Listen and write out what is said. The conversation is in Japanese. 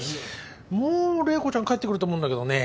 もう麗子ちゃん帰ってくると思うんだけどね。